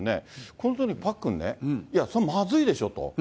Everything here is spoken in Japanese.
このときにパックンね、いや、それはまずいでしょうと。